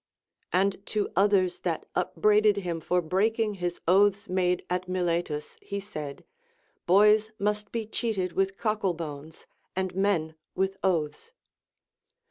x\nd to others that upbraided him for breaking his oaths made at Miletus he said. Boys must be cheated with cockal bones, and men with oaths.